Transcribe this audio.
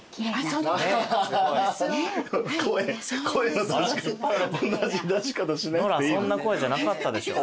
ノラそんな声じゃなかったでしょ。